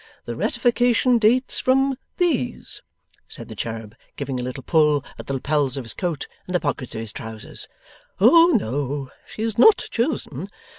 The ratification dates from these,' said the cherub, giving a little pull at the lappels of his coat and the pockets of his trousers. 'Oh no, she has not chosen.